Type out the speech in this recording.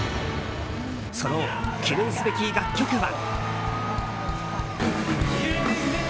その記念すべき楽曲は。